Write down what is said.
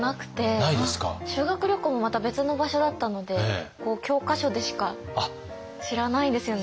修学旅行もまた別の場所だったので教科書でしか知らないんですよね。